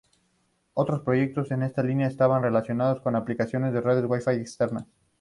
Otros proyectos en esa línea estaban relacionados con aplicaciones con redes wifi externas.